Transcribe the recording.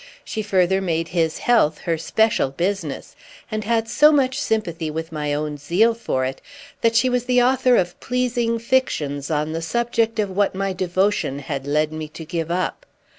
She further made his health her special business, and had so much sympathy with my own zeal for it that she was the author of pleasing fictions on the subject of what my devotion had led me to give up.